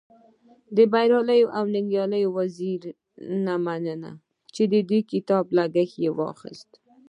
د بريالي او ننګيالي وزيري نه مننه چی د دې کتاب لګښت يې واخست.